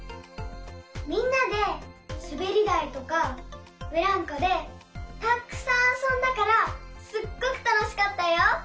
みんなですべりだいとかブランコでたっくさんあそんだからすっごくたのしかったよ。